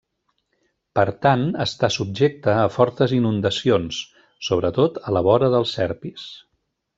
Per tant està subjecta a fortes inundacions, sobretot a la vora del Serpis.